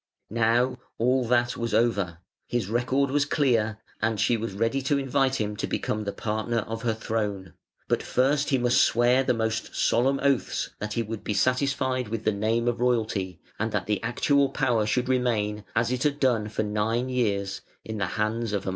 Now all that was over: his record was clear and she was ready to invite him to become the partner of her throne; but he must first swear the most solemn oaths that he would be satisfied with the name of royalty and that the actual power should remain, as it had done for nine years, in the hands of Amalasuentha".